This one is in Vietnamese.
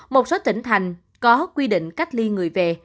một số tỉnh thành có quy định cách ly người về